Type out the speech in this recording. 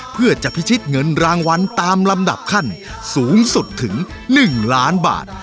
เพื่อจะพิชิตเงินรางวัลตามลำดับขั้นสูงสุดถึง๑ล้านบาท